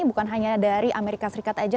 bukan hanya dari amerika serikat saja